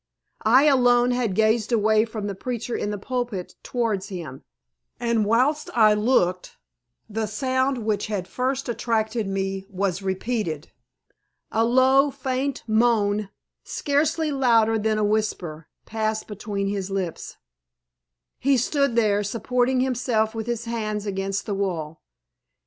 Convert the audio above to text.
I alone had gazed away from the preacher in the pulpit towards him, and whilst I looked the sound which had first attracted me was repeated. A low, faint moan, scarcely louder than a whisper, passed between his lips. He stood there supporting himself with his hands against the wall.